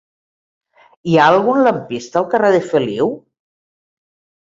Hi ha algun lampista al carrer de Feliu?